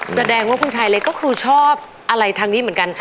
แสดงว่าคุณชายเล็กก็คือชอบอะไรทางนี้เหมือนกัน